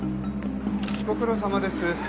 ご苦労さまです。